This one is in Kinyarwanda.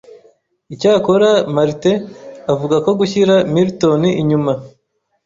Icyakora Martin avuga ko gushyira Milton inyuma